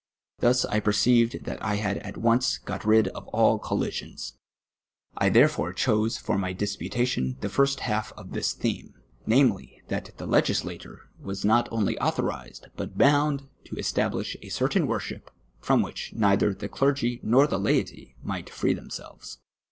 Thus I perceived that I had at once got rid of all collisions. I therefore chose for my disputation the first half of this theme, namely, that the legislator was not only authorised, but bound to establish a certain worship, from which neither the clergy nor the laity might free themselves.